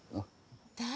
・誰？